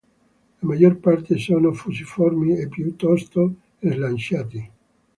La maggior parte sono fusiformi e piuttosto slanciati.